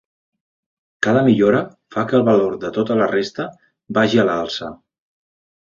Cada millora fa que el valor de tota la resta vagi a l'alça.